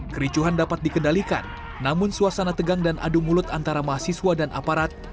kericuhan dapat dikendalikan namun suasana tegang dan adu mulut antara mahasiswa dan aparat